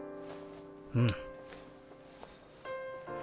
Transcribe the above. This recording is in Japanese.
うん。